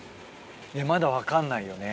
まだ分かんないよね。